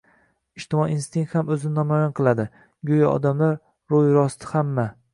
ijtimoiy instinkt ham o‘zini namoyon qiladi: go‘yo odamlar ro‘y rost hamma